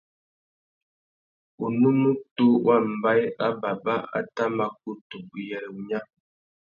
Unúmútú wa mbaye râ baba a tà mà kutu uyêrê wunya.